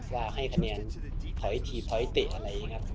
ว่าให้คะแนนถอยทีถอยเตะอะไรอย่างนี้ครับ